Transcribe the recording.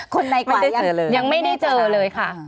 คนในกว่ายังไม่ได้เจอเลยค่ะ